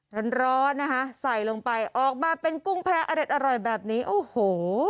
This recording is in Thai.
ร้อนร้อนนะคะใส่ลงไปออกมาเป็นกุ้งแพ้อร่อยแบบนี้โอ้โห